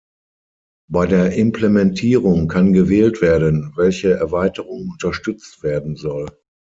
Bei der Implementierung kann gewählt werden, welche Erweiterung unterstützt werden soll.